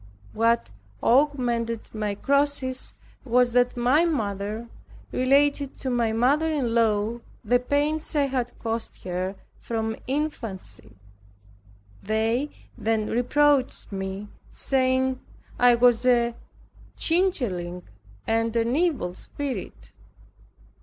What augmented my crosses was that my mother related to my mother in law the pains I had cost her from infancy. They then reproached me, saying, I was a changeling, and an evil spirit.